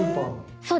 そうです。